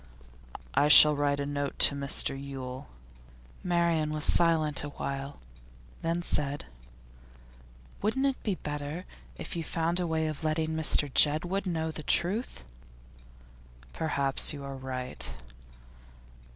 'I shall write a note to Mr Yule.' Marian was silent a while, then said: 'Wouldn't it be better if you found a way of letting Mr Jedwood know the truth?' 'Perhaps you are right.